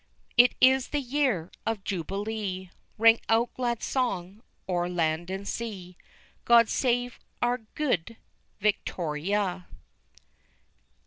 _It is the YEAR of JUBILEE! Ring out glad song o'er land and sea; God save our Good Victoria!